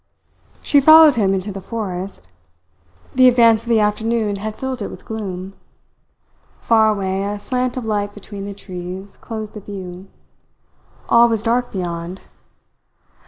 She followed him into the forest. The advance of the afternoon had filled it with gloom. Far away a slant of light between the trees closed the view. All was dark beyond.